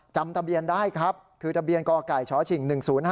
จำทะเบียนได้ครับคือทะเบียนกไก่ชฉิง๑๐๕